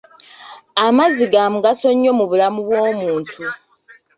Amazzi ga mugaso nnyo mu bulamu bw'omuntu.